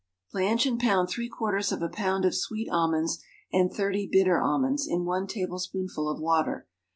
_ Blanch and pound three quarters of a pound of sweet almonds, and thirty bitter almonds, in one tablespoonful of water.